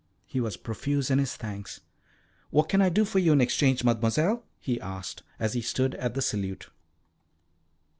He was profuse in his thanks. "What can I do for you in exchange, Mademoiselle?" he asked, as he stood at the salute.